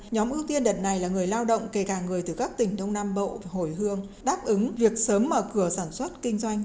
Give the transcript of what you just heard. nhóm ưu tiên đợt này là người lao động kể cả người từ các tỉnh đông nam bộ hồi hương đáp ứng việc sớm mở cửa sản xuất kinh doanh